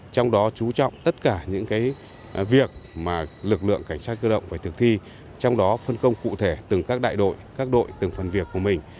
trong đó chú trọng tất cả những việc mà lực lượng cảnh sát cơ động phải thực thi trong đó phân công cụ thể từng các đại đội các đội từng phần việc của mình